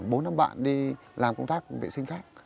một tổ thì khoảng bốn năm bạn đi làm công tác vệ sinh khác